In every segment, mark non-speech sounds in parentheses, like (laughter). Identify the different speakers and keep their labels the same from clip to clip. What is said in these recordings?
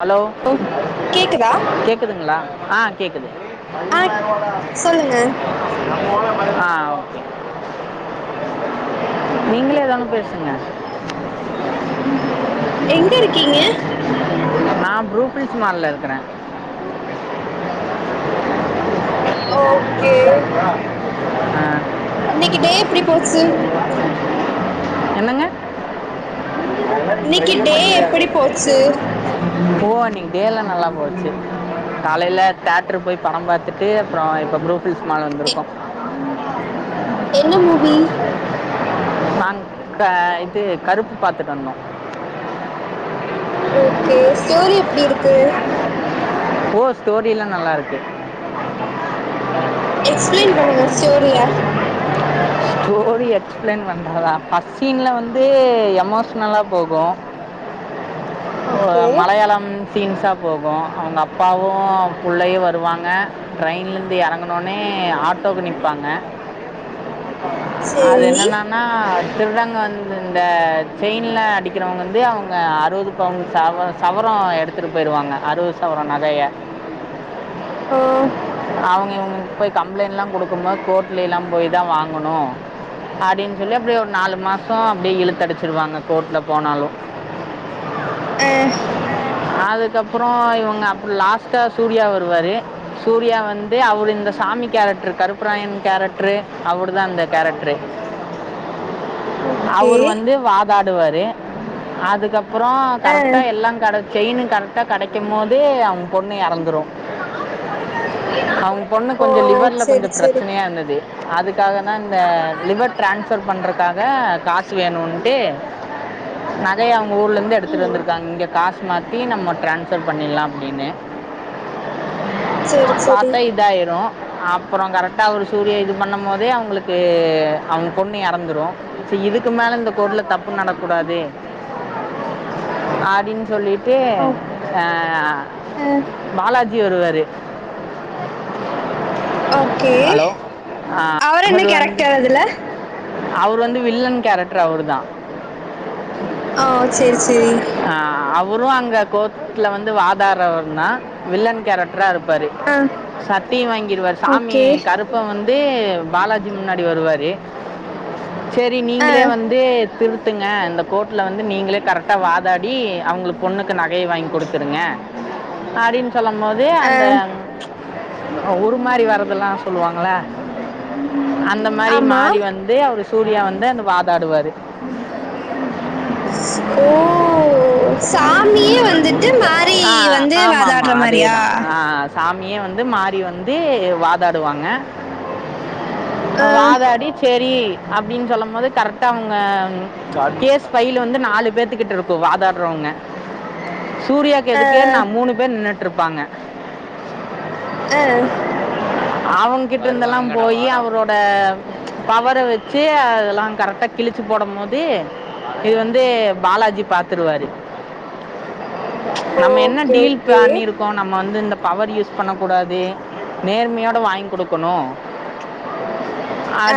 Speaker 1: Hello
Speaker 2: ஓ கேக்குதா
Speaker 1: கேக்குதுங்ளா ஆ கேக்குது
Speaker 2: ஆ சொல்லுங்க
Speaker 1: ஆ ஓகே நீங்களே எதா ஒண்ணு பேசுங்க
Speaker 2: எங்க இருக்கீங்க
Speaker 1: நா ப்ரூ ஃபில்ஸ் மால்ல இருக்குறே
Speaker 2: ஆ ஓகே
Speaker 1: அ
Speaker 2: இன்னிக்கு டே எப்டி போச்சு
Speaker 1: என்னங்க
Speaker 2: இன்னிக்கு டே எப்டி போச்சு
Speaker 1: ஓ இன்னிக்கு டேலா நல்லா போச்சு காலைல தேட்ரு போய் படோ பாத்துட்டு அப்றோ இப்போ ப்ரூ ஃபில்ஸ் மால்
Speaker 2: எ
Speaker 1: வந்துருக்கோ
Speaker 2: என்ன மூவி
Speaker 1: நாங்க் க இது கருப்பு பாத்துட்டு வந்தோ
Speaker 2: ஓகே ஸ்டோரி எப்டி இருக்கு
Speaker 1: ஓ ஸ்டோரியெல்லா நல்லாருக்கு
Speaker 2: எக்ஸ்ப்ளைன் பண்ணுங்க ஸ்டோரிய
Speaker 1: ஸ்டோரி எக்ஸ்ப்ளைன் பண்றதா ஃபர்ஸ்ட் சீன்ல வந்து எமோஷ்னலா போகு
Speaker 2: ஓகே
Speaker 1: மலையாளம் சீன்ஸா போகு அவுங்க அப் பாவு புள்ளயு வருவாங்க ட்ரயின்லந்து எறங்குனோனே ஆட்டோக்கு நிப்பாங்க அது
Speaker 2: சேரி
Speaker 1: என்னென்நனா திருடங்க வந்து இந்த செயின்லா அடிக்கிறவங்க வந்து அவுங்க அறுவது பவுன் சவ சவரோ எடுத்துட்டு போய்ருவாங்க அறுவது சவரோ நகய
Speaker 2: ஆ
Speaker 1: அவுங்க இவுங்களுக்கு போய் கம்ப்ளைண்ட்லா குடுக்கும்போது கோர்ட்லேலா போய் தா வாங்கனு அப்டின்னு சொல்லி அப்டியே ஒரு நாலு மாசோ அப்டியே இழுத்தடிச்சிருவாங்க கோர்ட்ல போனாலு
Speaker 2: ஆ
Speaker 1: அதுக்கப்றோ இவுங்க அப்ப லாஸ்டா சூர்யா வருவாரு சூர்யா வந்து அவுரு இந்த சாமி கேரக்ட்ரு கருப்புராயன் கேரக்ட்ரு அவுரு தா அந்த கேரக்ட்ரு
Speaker 2: ஓகே
Speaker 1: அவுருவந்து வாதாடுவாரு அதுக்கப் றோ
Speaker 2: ஆ
Speaker 1: கரெட்டா எல்லா கட செயின்னு கரெட்டா கெடைக்கும்போது அவுங்க பொண்ணு எறந்துரு அவுங்க பொண்ணு
Speaker 2: ஓ
Speaker 1: கொஞ்சோ லிவர்ல கொஞ்சோ
Speaker 2: செரி செரி
Speaker 1: பிரச்சனையா இருந்தது அதுக்காக தா இந்த லிவர் டிரான்ஸ்ஃபர் பண்றதுக்காக காசு வேணுன்ட்டு நகய‌ அவு ங்க ஊர்ல இருந்து எடுத்துட்டு
Speaker 2: ம்
Speaker 1: வந்துருக்காங்க இங்க காசு மாத்தி நம்ப ட்ரான்ஸ்ஃபர் பண்ணிலா அப்டின்னு
Speaker 2: செரி செரி
Speaker 1: பாத்தா இதாயிரு அப்றோ கரெட்டா ஒரு சூரியா இது பண்ணும் போதே அவுங்ளுக்கு அவங்க பொண்ணு எறந்துரு சோ இதுக்கு மேல இந்த கோர்ட்ல தப் பு நடக்கூடாது அப்டின் சொல்லி ட்டு
Speaker 2: ஓ ஆ
Speaker 1: பாலாஜி வருவாரு
Speaker 2: ஓகே அவர் என்ன கேரக்டர் அதுல
Speaker 1: அவுரு வந்து வில்லன் கேரட்ரு அவுரு தா
Speaker 2: ஆஹ் சேரி சேரி
Speaker 1: வருவாங்க கோட்ல வந்து வாதாரவங்க வில்லன் கேரக் ரா இருப்பாரு
Speaker 2: ஆ
Speaker 1: சட்டிய வாங்கிருவாரு சாமி
Speaker 2: ஓகே
Speaker 1: கருப்ப வந் து பாலாஜி முன்னாடி வருவாரு செரி
Speaker 2: ஆ
Speaker 1: நீங்ளே வந்து திரு துங்க இந்த கோர்ட்ல வந்து நீங்களே கரெட்டா வா தாடி அவுங்குளுக் பொண்ணுக்கு நகைய வாங்கி குடுத்துருங்க அப்டின்னு சொல்லம் போதே
Speaker 2: ஆ
Speaker 1: அந்த ஒரு மாரி வரதெல்லா சொல்லுவாங்கள அந்த மாரி
Speaker 2: ஆமா
Speaker 1: மாறி வந்து அவுரு சூர்யா வந்து அந்த வாதாடுவாரு
Speaker 2: ஓ சா
Speaker 1: ஆ ஆமா ஆமா
Speaker 2: வாதாடுற மாரியா
Speaker 1: அதேதா ஆ சாமி மே வந்து மாறி வந்து வாதாடுவாங்க
Speaker 2: ஆ
Speaker 1: வாதாடி செரி அப்டின் சொல்லு போது கரெட்டா அவுங்க கேஸ் பைல் வந்து நாலு பேத்துக்கிட்டருக்கு அத அப்றோ சொன்ன சூர்யாக்கு
Speaker 2: ஆ
Speaker 1: எதுக்கே நா மூணு பேர் நின்னுட்டுருப்பாங்க
Speaker 2: ஆ
Speaker 1: அவுங் கிட்டருந்தெல்லா போயி அவரோட பவர வெச்சி அதெல்லா கரெட்டா கிழிச்சி போடம்போது இது வந்து பாலாஜி பாத் திருவாரு நம்ம என்ன
Speaker 2: ஓகே
Speaker 1: டீல்
Speaker 2: ஓகே
Speaker 1: பண்ணிருக்கோ நம்ம வந்து இந்த பவர் யூஸ் பண்ணக்கூடாது நேர்மையோட வாய்ங்க் குடுக்கனு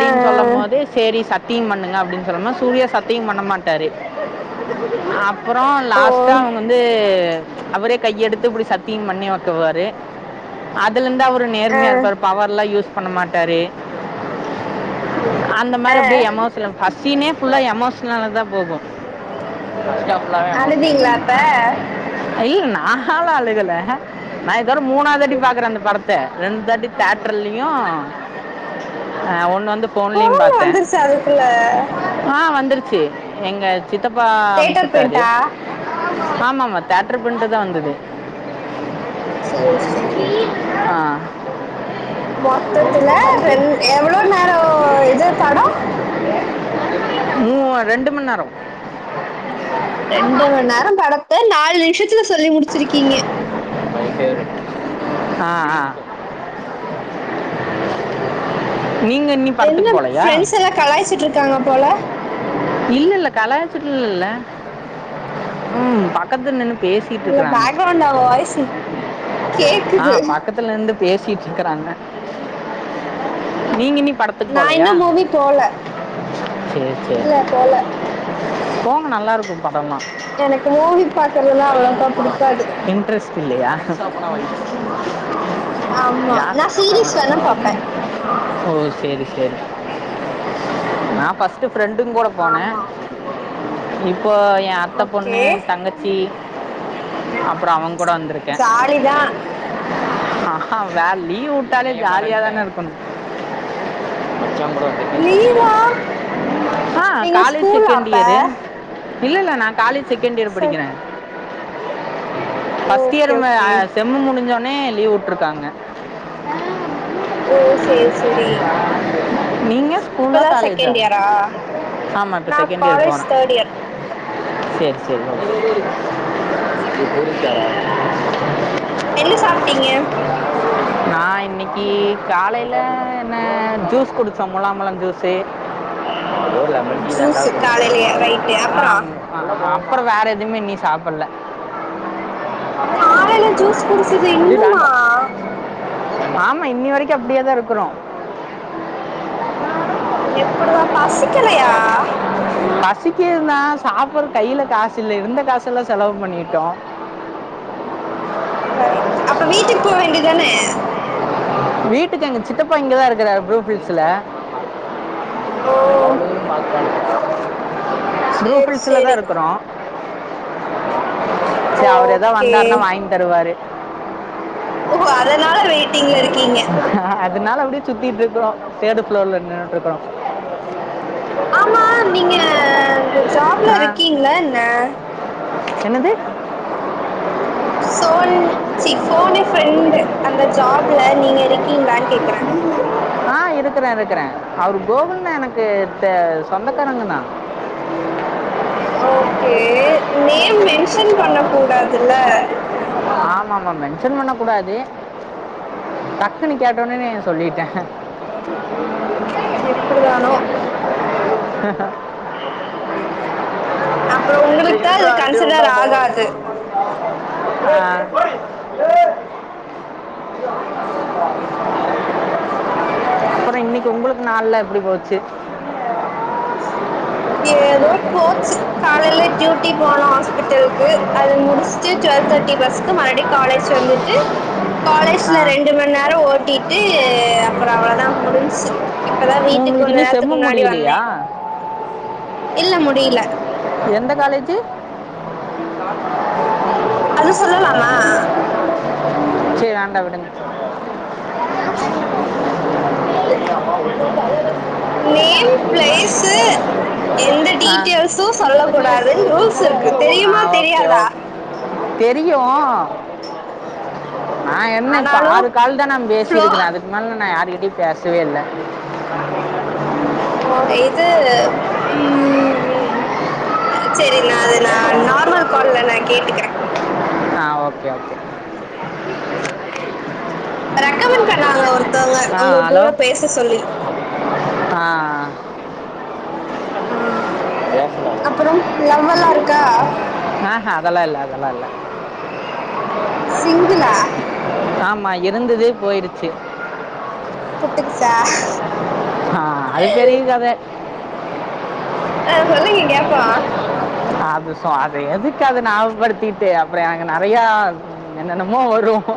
Speaker 2: ஆ
Speaker 1: சொல்ல
Speaker 2: ஆ.
Speaker 1: போது சேரி சட் திம் பண்ணுங்க அப்டின் சொல்ல போ சூர்யா சத்தியு பண்ண மாட்டாரு ஆப் அப்றோ
Speaker 2: ஓ
Speaker 1: லாஸ்ட்டா அவுங்க வந்து அவரே கையெடுத்து இப்டி சத்தியி பண்ணி வக்குவாரு அதுலருந்து அவரு
Speaker 2: ஆ
Speaker 1: நேர்மையா இருப்பாரு பவர்லா யூஸ் பண்ண மாட்டாரு அந்த மாரி
Speaker 2: ஆ
Speaker 1: அப்டே எமோஷ்ல சீனே ஃபுல்லா எமோஷ்னலா தா போகு (unintelligible)
Speaker 2: அழுதீங்களா அப்ப
Speaker 1: ஐ நானால அழுகல நா இதோட மூணாதாட்டி பாக்கறே அந்த படத்த ரெண்ட் தாட்டி தேட்டர்லியு ஆ ஒண்ணு வந்த் து ஃபோன்லையு
Speaker 2: ஃபோன்ல
Speaker 1: பாத்தே
Speaker 2: வந்துருச்சா அதுக்குள்ள
Speaker 1: ஆ வந்துருச்சி எங்க சித்தப்பா அம்ச்
Speaker 2: தேட்டர்
Speaker 1: உட்டாரு
Speaker 2: பிரிண்டா
Speaker 1: ஆமா ஆமா தேட்டர் பிரின்ட்டு தா வந்தது
Speaker 2: செரி செரி
Speaker 1: ஆ (inaudible)
Speaker 2: மொத்தத்துல ரெண் எவ்ளோ நேரோ இது படோ
Speaker 1: மூ ரெண்டு மண் நேரோ
Speaker 2: ரெண்டு மண் நேரோ படத்த நாலு நிமிஷ்த்துல சொல்லி முடிச்சிருக்கீங்க
Speaker 1: மை ஆ ஆ நீங்கள் இன்னி
Speaker 2: என்ன
Speaker 1: படத்துக்கு போகலையா
Speaker 2: ஃப்ரெண்ட்ஸ் எல்லா கலாய்ச்சிட்ருக்காங்க போல
Speaker 1: இல்ல இல்ல கலாச்சிட்டுல் இல்ல ம் பாக் பக்கத்து நின்னு
Speaker 2: இல்ல
Speaker 1: பேசிட்ருக்கறாங்க
Speaker 2: பேக்ரவுண்ட்ல அவங்க வாய்ஸ்
Speaker 1: ஆ
Speaker 2: கேக்குது
Speaker 1: பக்கத்துலந்து பேசிட்ருக்கறாங்க நீங்க இனி படத்துக்கு
Speaker 2: நா
Speaker 1: போலயா
Speaker 2: இன்னு மூவி போல
Speaker 1: செரி செரி
Speaker 2: இல்ல போல
Speaker 1: போங்க நல்லா இருக்கு ப டமா
Speaker 2: எனக்கு மூவி பாக்குறதுல்லா அவ்வளோக்கா புடிக்காது
Speaker 1: இன்ட்ரஸ்ட் இல்லியா
Speaker 2: ஆமா
Speaker 1: யார்
Speaker 2: நா சீரீஸ் வேணா பாப்பே
Speaker 1: (unintelligible) ஓ செரி செரி ந ஃபஸ்ட்டு ஃப்ரெண்டுங் கோட போனே
Speaker 2: ஆமா
Speaker 1: இப்போ எ அத்த
Speaker 2: ஓகே
Speaker 1: பொண்ணு தங்கச்சி அப்றோ அவுங்
Speaker 2: ஜாலிதா
Speaker 1: ஆ ஹா வேர் லீவ் வுட்டாலே ஜாலியா தானருக்கணு
Speaker 2: லீவா
Speaker 1: ஆ
Speaker 2: நீங்க ஸ்கூலா அப்ப
Speaker 1: இல்ல இல்ல நா காலேஜ் செகெண்ட் இயர்
Speaker 2: சரி
Speaker 1: படிக்கிறே ஃபஸ்ட்
Speaker 2: ஓகே
Speaker 1: இயர் மு அ
Speaker 2: ஓகே
Speaker 1: செம்மு முடிஞ்ச ஒனே லீவ் வுட்ருக்காங்க
Speaker 2: ஓ சேரி சேரி
Speaker 1: நீங்க ஸ்கூலா
Speaker 2: இப்பதா
Speaker 1: காலேஜா
Speaker 2: செகண்ட் இயரா
Speaker 1: ஆமா இப்ப
Speaker 2: நா
Speaker 1: செகண்ட் இயர்
Speaker 2: காலேஜ்
Speaker 1: போற
Speaker 2: தேர்ட் இயர்
Speaker 1: செரி செரி (inaudible)
Speaker 2: என்ன சாப்ட்டிங்க
Speaker 1: நா இன்னைக்கி காலைல என்ன ஜூஸ் குடிச்சோ மொளாம்பள ஜூஸு (inaudible)
Speaker 2: ம் ஜூஸு காலைலயே ரைட்டு அப்பறோ
Speaker 1: கூட வேற எதுமே இன்னியு சாப்பல்ல
Speaker 2: காலைல ஜூஸ் குடிச்சிது இன்னுமா
Speaker 1: ஆமா இன்னி வரைக்கு அப்டியே தா இருக்குறோ
Speaker 2: எப்படிதா பசிக்கலையா
Speaker 1: பசிக்கிது தா சாப்புர கைல காசு இல்ல இருந்த காசு எல்லா செலவு பண்ணிட்டோ
Speaker 2: ரைட் அப்ப வீட்டுக் போ வேண்டி தான
Speaker 1: வீட்டுக்கு அங்க சித்தப்பா இங்கதா இருக்குறாரு ப்ரூபில்ஸ்ல
Speaker 2: ஓ சேரி
Speaker 1: ப்ரூஃபில்ஸ்ல தா
Speaker 2: சேரி
Speaker 1: இருக்குறோ ச்ச அவர் எதா
Speaker 2: ஓகே
Speaker 1: வந்தார்ன்னா வாங்கி தருவாரு
Speaker 2: ஓஹோ அதனால வெயிட்டிங்ல இருக்
Speaker 1: ஹ அதனால அப்டியே சுத்திட்டு இருக்குறோ தேர்டு ஃப்ளோர்ல நின்னுட்ருக்கறோ
Speaker 2: ஆமா நீங்க இந்த ஜாப்ல
Speaker 1: ஆ
Speaker 2: ருக்கீங்கள என்ன
Speaker 1: என்னது
Speaker 2: சோன் ச்சீ சோனி ஃப்ரெண்டு அந்த ஜாப்ல நீங்க ருக்கீங்லான் கே குறே
Speaker 1: ஆ இருக்குறே இருக்குறே அவரு கோகுல்ன்ன எனக்கு த சொந்தக்காரங்க தா
Speaker 2: ஓகே நேம் மென்ஷன் பண்ண கூடாதுல்ல
Speaker 1: ஆமா மென்ஷன் பண்ணக் கூடாது டக்குன்னு கேட்டோன்னே சொல்லிட்டே
Speaker 2: எப்டி தானோ
Speaker 1: (inaudible)
Speaker 2: அப்றம் உங்ளுக்
Speaker 1: (inaudible) ஆ அப்றம் இன்னைக்கு உங்குளுக்கு நாள்லா எப்டி போச்சு
Speaker 2: ஏதோ போச்சு காலைல டியூட்டி போனோ ஹாஸ்பிட்டல் க்கு அது முடிச்ட்டு டு வெல் தேட்டி பஸ் க்கு மறுடி காலேஜ் வந்துட்டு
Speaker 1: ஆ
Speaker 2: காலேஜ்ல ரெண்டு மண் நேரொ ஓட்டிட்டு அப்றம் அவ்ள தா முடிஞ்ச்சு இப்பதா வீட்டுக் கொஞ்ச
Speaker 1: உங்களுக்கு நீ செம்ம
Speaker 2: நேரத்துக்கு முன்னாடி வந்தே
Speaker 1: முடியலையா
Speaker 2: இல்ல முடில
Speaker 1: எந்த காலேஜு
Speaker 2: அது சொல்லலாமா
Speaker 1: செரி வேண்டா விடுங்க
Speaker 2: உஹ
Speaker 1: ந
Speaker 2: நேம் ப்ளேஷூ எந்த
Speaker 1: ஆ
Speaker 2: டீட்டைல் ஷூ சொல்ல கூடாதுன் ரூல்ஸ்ருக்கு தெரியுமா தெரியாதா
Speaker 1: தெரியு நா என்ன இப்ப
Speaker 2: ஆனாலு
Speaker 1: ஆறு கால் தா நா
Speaker 2: ஃப்ளோ
Speaker 1: பேசிருக்குறே அதுக்கு மேல நா யாரு கிட் இப்டி பேசவே இல்ல
Speaker 2: ஓ இது ம் ம் ம் அ செரி நா அத நா நார்மல் கால்ல நா கேட்டுக்குற
Speaker 1: ஆ ஓகே ஓகே
Speaker 2: ரெக்கமண்ட் பண்ணாங்க ஒருத்தங்க ஒங்க
Speaker 1: ஹலோ
Speaker 2: கூட பேச சொல்லி
Speaker 1: ஆ ஆ
Speaker 2: ஆ அப்றம் லவ்வல்லா இருக்கா
Speaker 1: ஆஹ்ஹ அதெல்லா இல்ல அதெல்லா இல்ல
Speaker 2: சிங்லா
Speaker 1: ஆமாம் இருந்ததே போயிடுச்சு
Speaker 2: புட்டுக்குச்சா
Speaker 1: ஆஹ் அது பெரிய கத
Speaker 2: ஆஹ் சொல்லுங்க கேட்போ
Speaker 1: அது சோ அதை எதுக்கு அதை ஞாபப்படுத்திட்டு அப்புறம் அங்க நிறைய என்னன்னமோ வரும் ஹ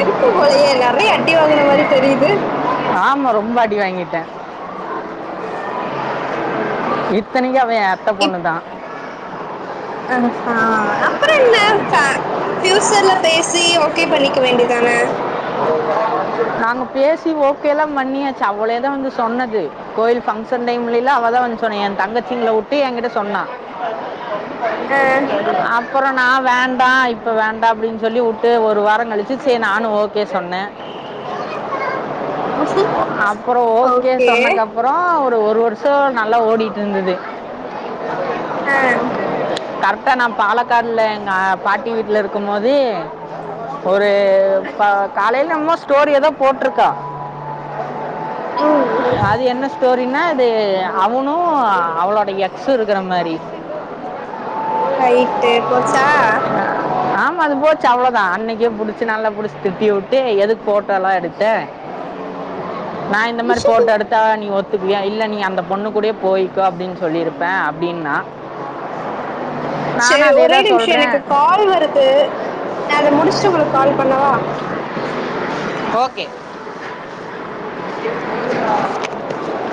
Speaker 2: இருக்கும் போலையே நெறைய அடி வாங்கின மாதிரி தெரியுது
Speaker 1: ஆமா ரொம்ப அடி வாங்கிட்டேன்
Speaker 2: உம்
Speaker 1: இத்தனைக்கு அவ என் அத்த பொண்ணுதான்
Speaker 2: அஹஹா அப்புறம் என்ன ஃபே ஃபியூசர்ல பேசி ஓகே பண்ணிக்க வேண்டிதானே
Speaker 1: நாங்க பேசி ஓகேல்லாம் பண்ணியாச்சு அவ்வளேதான் வந்து சொன்னது கோயில் பங்க்ஷன் டைம்லேல்லா அவள் வந்து சொன்னா என் தங்கச்சிங்கள வுட்டு என்கிட்ட சொன்னா
Speaker 2: ஆ
Speaker 1: அப் புறோம் நான் வேண்டாம் இப்ப வேண்டாம் அப்படின்னு சொல்லி வுட்டு ஒரு வாரம் கழிச்சு செரி நானும் ஓகே சொன்னேன் அப்புறோ ஓகே சொன்னக்கு அப்புறோம் ஒரு வருஷம் நல்லா ஓடிட்டு இருந்தது
Speaker 2: அஹ்
Speaker 1: கரெக்டா நான் பாலக்காடுல எங்க பாட்டி வீட்டுல இருக்கு போதே ஒரு ப காலையிலன்னமோ ஸ்டோரி ஏதோ போட்டிருக்கா
Speaker 2: ம்
Speaker 1: அது என்ன ஸ்டோரினா அது அவனும் அவளோட எக்ஸ் இருக்கிற மாரி
Speaker 2: ரைட்டு போச்சா
Speaker 1: ஆமா அது போச்சு அவ்ளோதான் அன்னைக்கே புடிச்சு நல்லா புடிச்சு திட்டி வுட்டு எதுக்கு போட்டோ எல்லாம் எடுத்த நான் இந்த மாரி போட்ட எடுத்தா நீ ஒத்துக்குவியா இல்ல நீ அந்த பொண்ணுக்கு கூடயே போய்கோ அப்டின்னு சொல்லியிருப்பேன் அப்டின்னா
Speaker 2: சேர் ஒரே நிமிஷம் எனக்கு கால் வருத் து நான் அத முடிச்சட்டு உங்களுக்கு கால் பண்ணவா
Speaker 1: ஹா